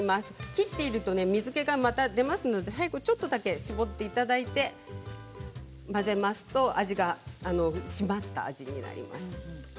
切っていると水けがまた出ますのでちょっとだけ絞っていただいて混ぜますと味だしが締まった味になります。